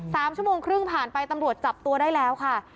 สามชั่วโมงครึ่งผ่านไปตำรวจจับตัวได้แล้วค่ะ